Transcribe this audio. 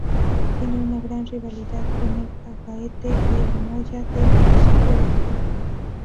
Tiene una gran rivalidad con el Agaete y el Moya del municipio vecino.